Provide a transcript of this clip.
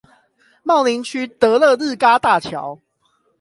茂林區得樂日嘎大橋